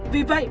vì vậy bị cáo